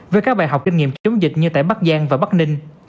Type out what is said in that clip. với các bài học kinh nghiệm chống dịch như tại bắc giang và bắc ninh